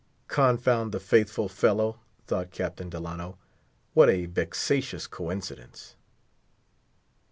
"Confound the faithful fellow," thought Captain Delano; "what a vexatious coincidence."